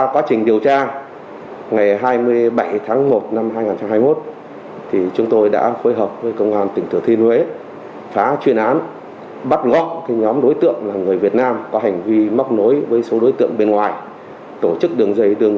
cơ quan an ninh điều tra công an tỉnh thánh hòa đã thừa nhận hành vi phạm tội của mình